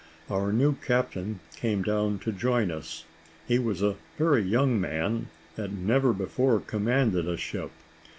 Our new captain came down to join us. He was a very young man, and had never before commanded a ship.